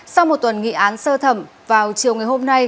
sau một tuần nghị án sơ thẩm vào chiều ngày hôm nay